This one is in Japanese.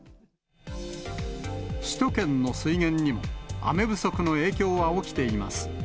首都圏の水源にも、雨不足の影響は起きています。